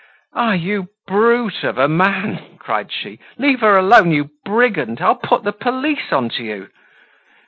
"Ah! you brute of a man!" cried she. "Leave her alone, you brigand! I'll put the police on to you."